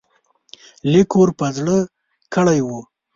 لیک ور په زړه کړی وو.